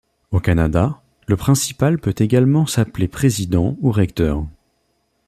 Au Canada, le principal peut également s'appeler président ou recteur.